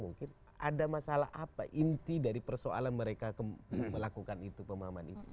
mungkin ada masalah apa inti dari persoalan mereka melakukan itu pemahaman itu